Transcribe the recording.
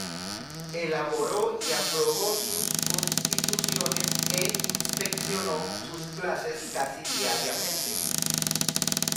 Elaboró y aprobó sus "Constituciones" e inspeccionó sus clases casi diariamente.